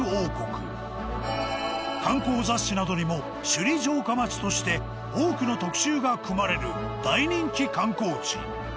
観光雑誌などにも首里城下町として多くの特集が組まれる大人気観光地。